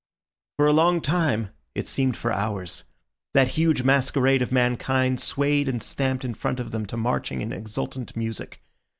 For a long time—it seemed for hours—that huge masquerade of mankind swayed and stamped in front of them to marching and exultant music.